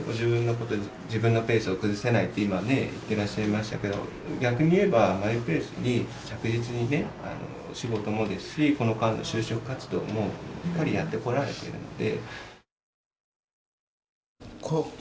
自分のペースを崩せないって今ね言ってらっしゃいましたけど逆に言えばマイペースに着実にね仕事もですしこの間の就職活動もしっかりやってこられてるので。